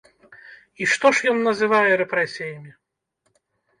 І што ж ён называе рэпрэсіямі?